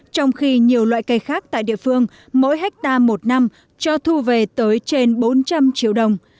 trong khi nhiều loại cây khác tại địa phương mỗi hectare một năm cho thu về tới trên bốn trăm linh triệu đồng